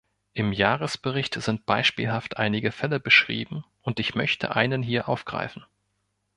Im Jahresbericht sind beispielhaft einige Fälle beschrieben, und ich möchte einen hier aufgreifen.